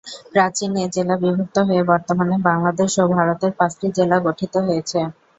প্রাচীন এ জেলা বিভক্ত হয়ে বর্তমানে বাংলাদেশ ও ভারতের পাঁচটি জেলা গঠিত হয়েছে।